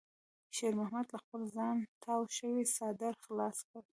شېرمحمد له خپل ځانه تاو شوی څادر خلاص کړ.